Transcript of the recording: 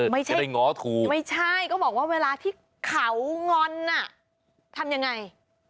ไม่ใช่ไปง้อถูกไม่ใช่ก็บอกว่าเวลาที่เขางอนอ่ะทำยังไง